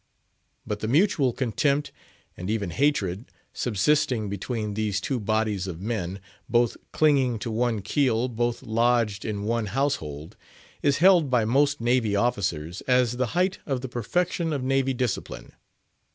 But the mutual contempt, and even hatred, subsisting between these two bodies of men—both clinging to one keel, both lodged in one household—is held by most Navy officers as the height of the perfection of Navy discipline.